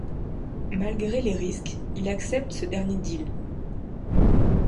Malgré les risques, il accepte ce dernier deal.